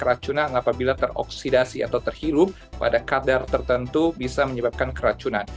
efek keracunan apabila teroksidasi atau terhilu pada kadar tertentu bisa menyebabkan keracunan